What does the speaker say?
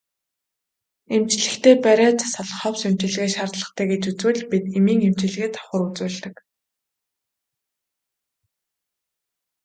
Эмчлэхдээ бариа засал ховс эмчилгээ шаардлагатай гэж үзвэл бид эмийн эмчилгээ давхар үзүүлдэг.